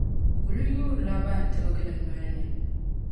Guli yuurila bɛn tibigi li noli ni.